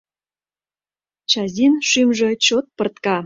Чазин шӱмжӧ чот пыртка.